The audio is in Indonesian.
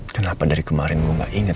kenapa dari kemarin gua nggak inget